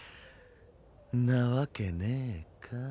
んなわけねぇかぁ。